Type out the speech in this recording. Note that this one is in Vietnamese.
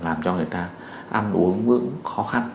làm cho người ta ăn uống uống khó khăn